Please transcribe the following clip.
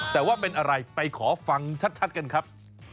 แต่ว่าเป็นอะไรไปขอฟังชัดกันครับ